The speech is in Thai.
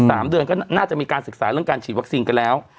สามเดือนก็น่าจะมีการศึกษาเรื่องการฉีดวัคซีนกันแล้ว